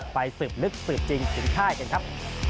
ไปสืบลึกสืบจริงถึงค่ายกันครับ